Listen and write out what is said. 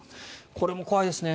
これも怖いですね。